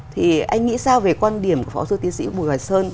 thì anh nghĩ sao về quan điểm của phó sư tiến sĩ bùi hoài sơn